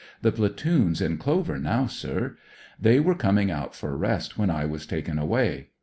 The platoon's in clover now, sir. They were coming out for rest when I was taken away.